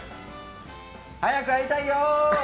早く会いたいよ！